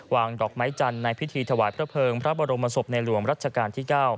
ดอกไม้จันทร์ในพิธีถวายพระเภิงพระบรมศพในหลวงรัชกาลที่๙